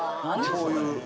こういう。